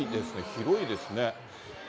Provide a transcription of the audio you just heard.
広いですね。